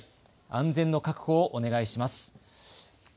安全の確保をお願いします。